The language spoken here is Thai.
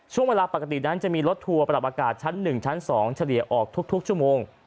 ช่วงเวลาปกตินั้นจะมีรถทัวร์ปรับอากาศชั้น๑ชั้น๒เฉลี่ยออกทุกชั่วโมง